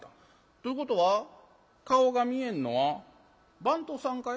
ということは顔が見えんのは番頭さんかい？